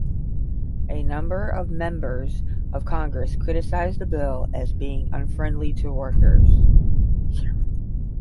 A number of members of Congress criticized the bill as being unfriendly to workers.